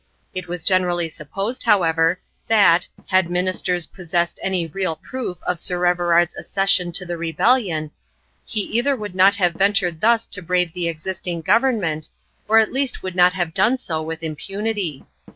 It was generally supposed, however, that, had ministers possessed any real proof of Sir Everard's accession to the rebellion, he either would not have ventured thus to brave the existing government, or at least would not have done so with impunity.